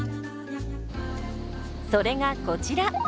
それがこちら。